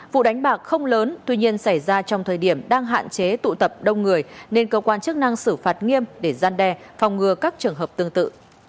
vụ đánh bạc không lớn tuy nhiên xảy ra trong thời điểm đang hạn chế tụ tập đông người nên cơ quan chức năng xử phạt nghiêm để gian đe phòng ngừa các trường hợp tương tự